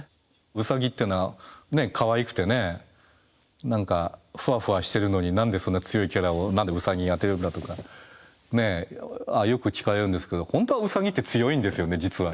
ウサギっていうのはねかわいくてね何かふわふわしてるのに何でそんな強いキャラを何でウサギにあてるんだとかよく聞かれるんですけど本当はウサギって強いんですよね実は。